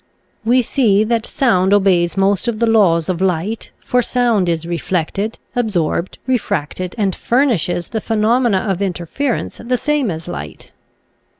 We see that sound obeys most of the laws of light, for sound is reflected, absorbed, refracted, and furnishes the phenomena of interference the same as light.